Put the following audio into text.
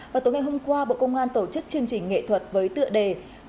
và tối ngày hôm qua bộ công an tổ chức chương trình nghệ thuật với tựa đề